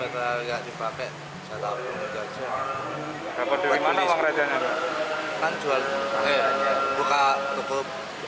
dari mana uang kerjaan ini